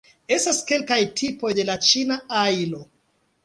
Estas kelkaj tipoj de la ĉina ajlo.